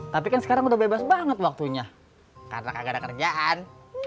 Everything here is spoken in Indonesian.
tapi kan sekarang udah bebas banget waktunya karena kagak ada kerjaan